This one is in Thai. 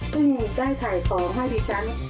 ซึ่งได้ไถ่ของให้พี่ฉัน